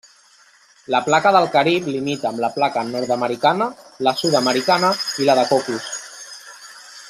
La placa del Carib limita amb la placa nord-americana, la sud-americana, i la de Cocos.